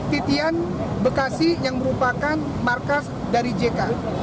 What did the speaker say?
titian bekasi yang merupakan markas dari jk